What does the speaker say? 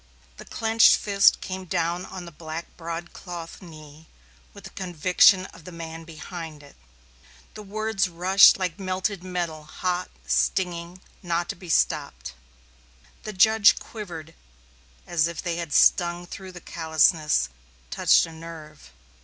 The clinched fist came down on the black broadcloth knee with the conviction of the man behind it. The words rushed like melted metal, hot, stinging, not to be stopped. The judge quivered as if they had stung through the callousness, touched a nerve.